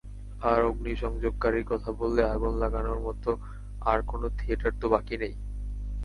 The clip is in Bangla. আর অগ্নিসংযোগকারীর কথা বললে, আগুন লাগানোর মত আর কোন থিয়েটার তো বাকি নেই।